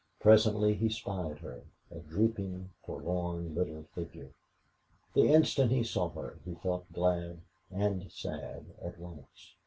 Presently he spied her a drooping, forlorn little figure. The instant he saw her he felt glad and sad at once.